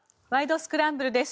スクランブル」です。